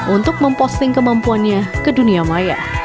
untuk memposting kemampuannya ke dunia maya